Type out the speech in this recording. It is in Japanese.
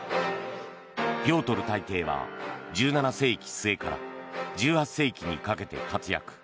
ピョートル大帝は１７世紀末から１８世紀にかけて活躍。